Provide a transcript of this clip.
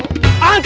gak ada itu dong